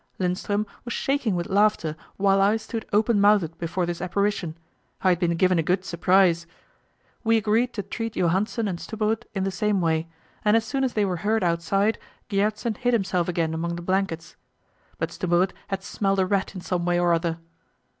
Lindström was shaking with laughter while I stood open mouthed before this apparition; I had been given a good surprise. We agreed to treat Johansen and Stubberud in the same way, and as soon as they were heard outside, Gjertsen hid himself again among the blankets. But Stubberud had smelt a rat in some way or other.